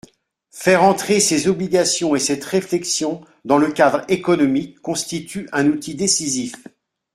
Faire entrer ces obligations et cette réflexion dans le cadre économique constitue un outil décisif.